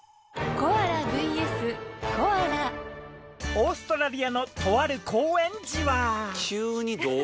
オーストラリアのとある公園じわ。